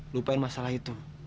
lupain masalah itu